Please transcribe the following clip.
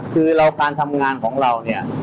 คือเราการทำงานของเราเนี่ย